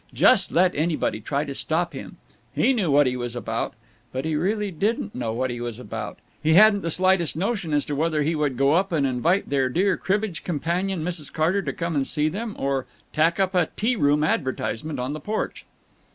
Just let anybody try to stop him! He knew what he was about! But he really didn't know what he was about; he hadn't the slightest notion as to whether he would go up and invite their dear cribbage companion Mrs. Carter to come and see them or tack up a "T Room" advertisement on the porch.